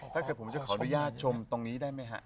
ถ้าเกิดผมจะขออนุญาตชมตรงนี้ได้ไหมฮะ